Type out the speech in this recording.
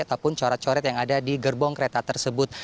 ataupun coret coret yang ada di gerbong kereta tersebut